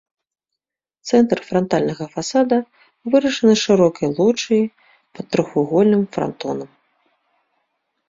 Цэнтр франтальнага фасада вырашаны шырокай лоджыяй пад трохвугольным франтонам.